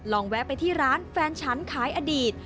แวะไปที่ร้านแฟนฉันขายอดีต